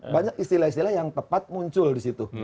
banyak istilah istilah yang tepat muncul di situ